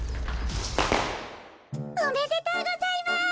おめでとうございます。